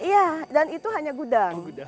iya dan itu hanya gudang